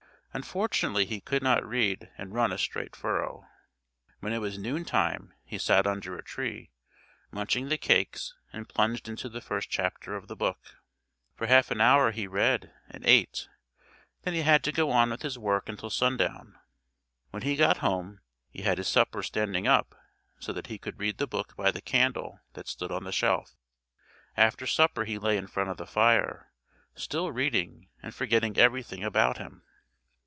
Unfortunately he could not read and run a straight furrow. When it was noontime he sat under a tree, munching the cakes, and plunged into the first chapter of the book. For half an hour he read and ate, then he had to go on with his work until sundown. When he got home he had his supper standing up so that he could read the book by the candle that stood on the shelf. After supper he lay in front of the fire, still reading, and forgetting everything about him.